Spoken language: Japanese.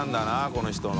この人の。